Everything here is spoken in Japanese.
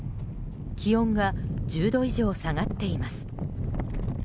気温が１０度以上下がっています。